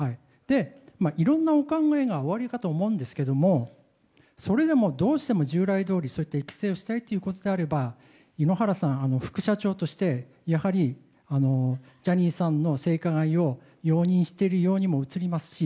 いろんなお考えがおありかと思うんですけどそれでも、どうしても従来どおり育成をしたいということであれば井ノ原さん、副社長としてやはりジャニーさんの性加害を容認しているようにも映りますし。